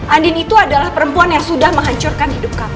andin itu adalah perempuan yang sudah menghancurkan hidup kami